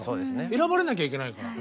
選ばれなきゃいけないから。